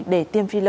để tiêm phi lơ